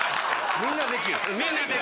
みんなできる。